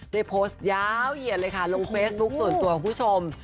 ได้โพสต์ยาวเหยียดเลยค่ะลงเฟซบุ๊คส่วนตัวของคุณผู้ชม